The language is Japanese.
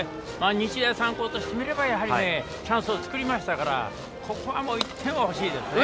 日大三高としてみればチャンスを作りましたからここは１点が欲しいですね。